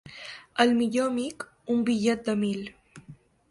El millor amic, un bitllet de mil.